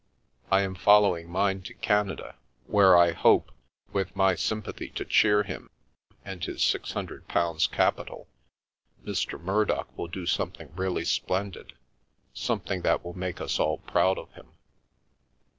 I am following mine to Canada, where, I hope, with my sympathy to cheer him and his six hundred pounds capi tal, Mr. Murdock will do something really splendid, something that will make us all proud of him.